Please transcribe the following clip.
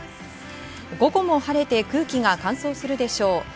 午後も晴れて空気が乾燥するでしょう。